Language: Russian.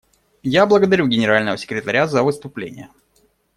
Я благодарю Генерального секретаря за выступление.